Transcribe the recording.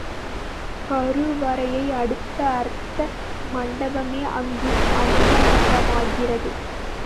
கருவறையை அடுத்த அர்த்த மண்டபமே அங்கு அந்தரங்கமாகிறது.